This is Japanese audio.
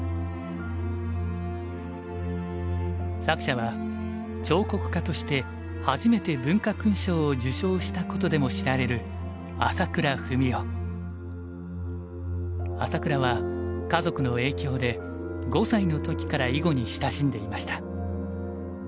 作者は彫刻家として初めて文化勲章を受章したことでも知られる朝倉は家族の影響で５歳の時から囲碁に親しんでいました。